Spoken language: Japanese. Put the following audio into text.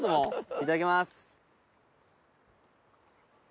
いただきます。